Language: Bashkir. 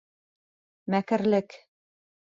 Мәкерлек!